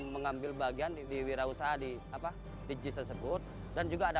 terima kasih teman teman